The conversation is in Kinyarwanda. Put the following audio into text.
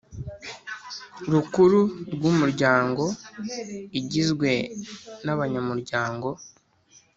rukuru rw Umuryango Igizwe n abanyamuryango